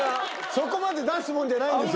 そこまで出すもんじゃないんですよ